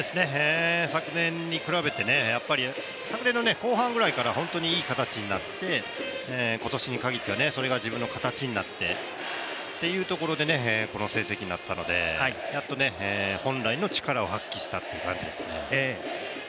昨年に比べて、昨年の後半ぐらいから本当にいい形になって、今年に限ってはそれが自分の形になってっていうところでこの成績になったので、やっとね本来の力を発揮したっていう感じですね。